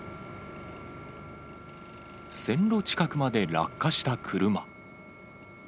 線路近くまで落下した車。